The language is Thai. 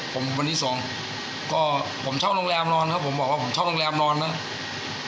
ผมวันที่สองก็ผมเช่าโรงแรมนอนครับผมบอกว่าผมเช่าโรงแรมนอนมั้ง